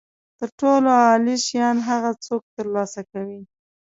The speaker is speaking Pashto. تر ټولو عالي شیان هغه څوک ترلاسه کوي.